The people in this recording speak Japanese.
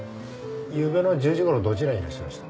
ゆうべの１０時ごろどちらにいらっしゃいました？